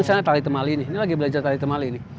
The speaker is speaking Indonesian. misalnya tali temali nih ini lagi belajar tali temali nih